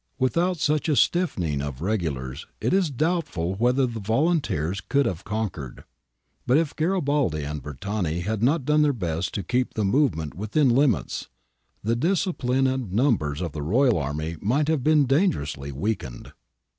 ^ Without such a stiffening of regulars, it is doubtful whether the volunteers could have conquered. But if Garibaldi and Bertani had not done their best to keep the movement within limits, the discipline and numbers of the royal army might have been dangerously weakened.